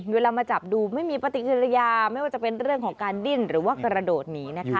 เวลามาจับดูไม่มีปฏิกิริยาไม่ว่าจะเป็นเรื่องของการดิ้นหรือว่ากระโดดหนีนะคะ